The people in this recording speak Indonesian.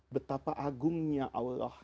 betapa agungnya allah